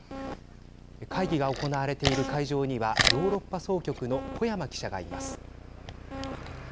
会議が行われている会場にはヨーロッパ総局の古山記者がいます。